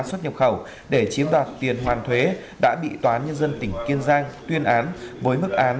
xuất nhập khẩu để chiếm đoạt tiền hoàn thuế đã bị tòa án nhân dân tỉnh kiên giang tuyên án với mức án